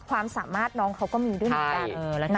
ความสามารถน้องเขาก็มีด้วยเหมือนกัน